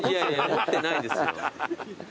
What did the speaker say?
持ってないですよ。